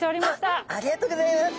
あっありがとうギョざいます。